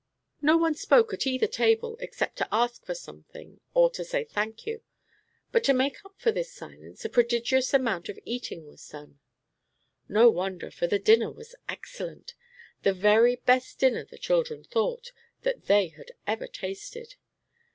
No one spoke at either table except to ask for something or to say "thank you"; but to make up for this silence, a prodigious amount of eating was done. No wonder, for the dinner was excellent, the very best dinner, the children thought, that they had ever tasted.